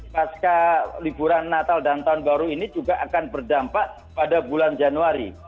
pasca liburan natal dan tahun baru ini juga akan berdampak pada bulan januari